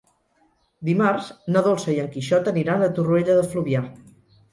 Dimarts na Dolça i en Quixot aniran a Torroella de Fluvià.